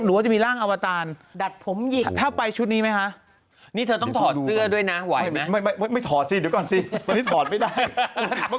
หนูฟาวว่าพี่หนุ่มเขาไม่ค่อยบอกแล้ว